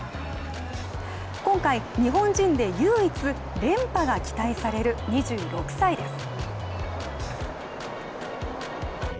今回、日本人で唯一、連覇が期待される２６歳です。